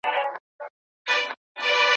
څېړنه د کوم منطقي دلیل اړتیا لري؟